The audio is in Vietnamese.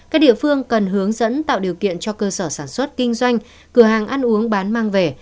các địa phương cần hướng dẫn tạo điều kiện cho cơ sở sản xuất kinh doanh cửa hàng ăn uống bán mang về